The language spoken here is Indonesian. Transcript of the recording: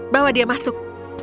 bawa dia masuk